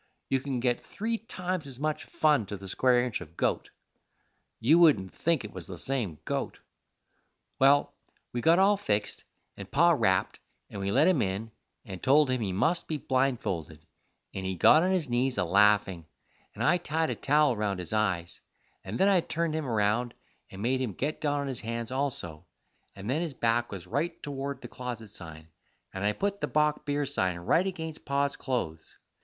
You can get three times as much fun to the square inch of goat. You wouldn't think it was the same goat. Well, we got all fixed, and Pa rapped, and we let him in and told him he must be blindfolded, and he got on his knees a laffing, and I tied a towel around his eyes, and then I turned him around and made him get down on his hands also, and then his back was right toward the closet sign, and I put the bock beer sign right against Pa's clothes.